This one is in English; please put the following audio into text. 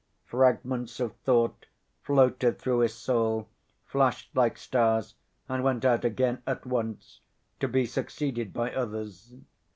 Fragments of thought floated through his soul, flashed like stars and went out again at once, to be succeeded by others.